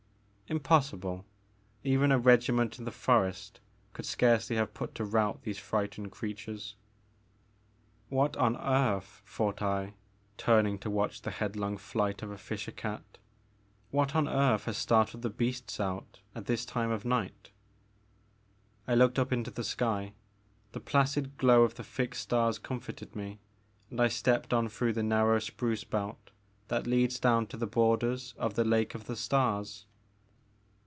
Impossible; even a regiment in the forest could scarcely have put to rout these frightened creatures. What on earth," thought I, turning to watch the headlong flight of a fisher cat, *' what on earth has started the beasts out at this time of night." I looked up into the sky. The placid glow of the fixed stars comforted me and I stepped on through the narrow spruce belt that leads down to the borders of the Lake of the Stars.